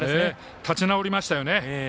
立ち直りましたね。